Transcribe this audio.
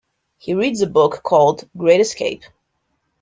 He reads a book called "Great Escape".